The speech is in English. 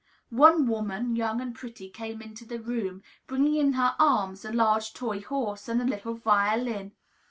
One woman, young and pretty, came into the room, bringing in her arms a large toy horse, and a little violin.